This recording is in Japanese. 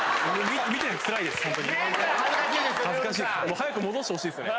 早く戻してほしいですよね。